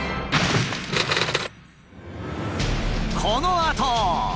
このあと。